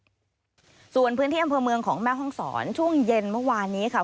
ส่วนพื้นที่อำเภอเมืองของแม่ห้องศรช่วงเย็นเมื่อวานนี้ค่ะ